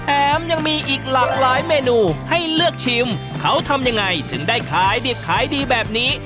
ยังมีอีกหลากหลายเมนูให้เลือกชิมเขาทำยังไงถึงได้ขายดิบขายดีแบบนี้